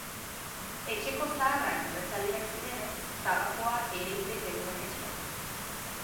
Etxeko zaharrak erretzaileak zirenez, tabakoa ereiten genuen etxean.